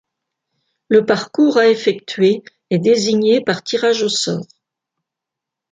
Le parcours à effectuer est désigné par tirage au sort.